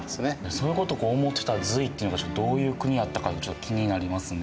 そういうことを思ってた隋っていうのがどういう国やったかってちょっと気になりますね